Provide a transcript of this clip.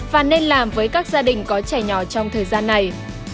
và nên làm với các gia đình có trẻ nhỏ trong thời gian này